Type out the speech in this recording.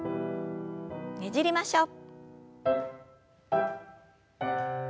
ねじりましょう。